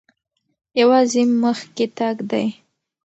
یوازې مخکې تګ دی.